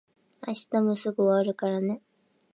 明日もすぐ終わるからね。